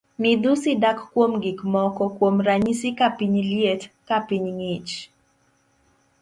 Midhusi dak kuom gik moko kuom ranyisi ka piny liet, ka piny ng'ich.